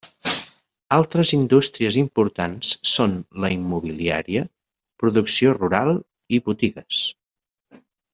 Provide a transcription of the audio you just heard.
Altres indústries importants són la immobiliària, producció rural i botigues.